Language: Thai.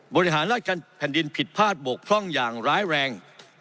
บริหารราชการแผ่นดินผิดพลาดบกพร่องอย่างร้ายแรง